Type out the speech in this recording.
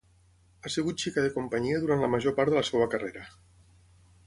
Ha sigut xica de companyia durant la major part de la seva carrera.